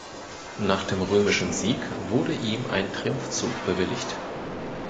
Nach dem römischen Sieg wurde ihm ein Triumphzug bewilligt.